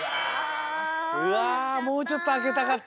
うわもうちょっとあけたかったね。